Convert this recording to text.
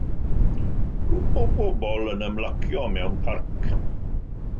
Grŵp o bobl yn ymlacio mewn parc.